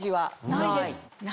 ない。